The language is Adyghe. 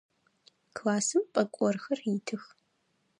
Классым пӏэкӏорхэр итых.